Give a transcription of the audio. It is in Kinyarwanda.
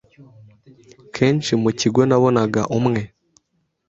kenshi mu kigo nabonaga umwe